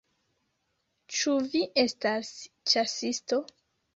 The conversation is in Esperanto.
Ĉu vi estas ĉasisto?